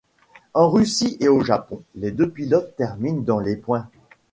En Russie et au Japon, les deux pilotes terminent dans les points.